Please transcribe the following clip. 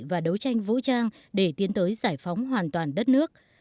và đấu tranh vũ trang để tiến tới giải phóng hoàn toàn đất nước